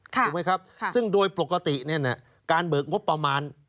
ถูกไหมครับซึ่งโดยปกติเนี่ยนะการเบิกงบประมาณ